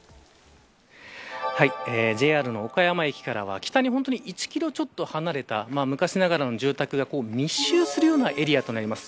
ＪＲの岡山駅からは北に本当に１キロちょっと離れた昔ながらの住宅が密集するようなエリアとなります。